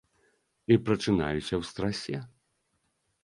І прачынаюся ў страсе.